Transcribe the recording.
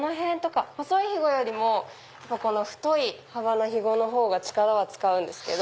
細いひごよりも太い幅のひごのほうが力は使うんですけど。